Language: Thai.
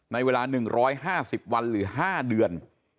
ในเวลา๑๕๐วันหรือ๕เดือน